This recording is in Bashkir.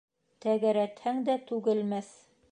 Тәгәрәтһәң дә түгелмәҫ.